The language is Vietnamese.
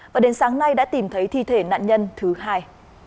và đến sáng nay đã tìm thấy thi thể nạn nhân thứ hai